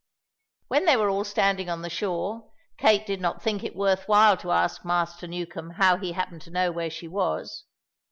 When they were all standing on the shore, Kate did not think it worth while to ask Master Newcombe how he happened to know where she was.